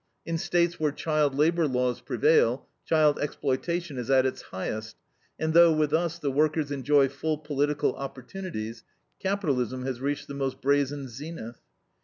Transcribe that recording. In States where child labor laws prevail, child exploitation is at its highest, and though with us the workers enjoy full political opportunities, capitalism has reached the most brazen zenith.